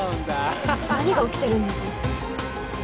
ハハハハ何が起きてるんです？